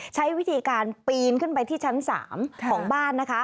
ใช้วิธีการปีนขึ้นไปที่ชั้น๓ของบ้านนะคะ